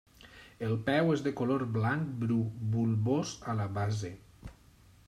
El peu és de color blanc bru, bulbós a la base.